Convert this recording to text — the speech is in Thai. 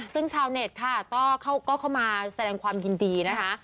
ซึ่งชาวเน็ตค่ะก็เข้ามาแสดงความยินดีนะคะ